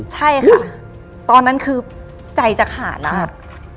ใช่ค่ะตอนนั้นคือใจจะขาดแล้ว